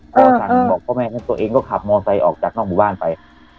พ่อฉันบอกพ่อแม่ฉันตัวเองก็ขับมอเตอร์ไซค์ออกจากนอกหมู่บ้านไป